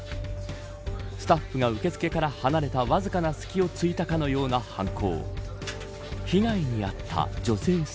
スタッフが受付から離れたわずかな隙をついたかのような犯行。